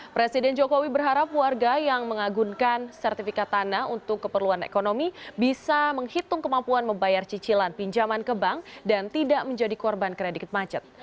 presiden jokowi berharap warga yang mengagunkan sertifikat tanah untuk keperluan ekonomi bisa menghitung kemampuan membayar cicilan pinjaman ke bank dan tidak menjadi korban kredit macet